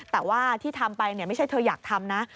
แต่ว่าที่ทำไปไม่ใช่เธออยากทำนะ